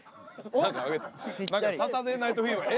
「サタデー・ナイト・フィーバー」え？